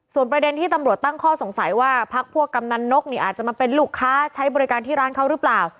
ส่วนประเด็นที่ตำรวจตั้งข้อสงสัยว่าพักพวกกำนันนกนี่อาจจะมาเป็นลูกค้าใช้บริการที่ร้านเขาหรือเปล่า